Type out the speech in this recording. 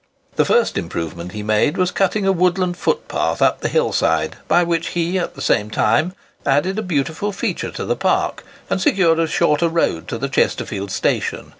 The first improvement he made was cutting a woodland footpath up the hill side, by which he at the same time added a beautiful feature to the park, and secured a shorter road to the Chesterfield station.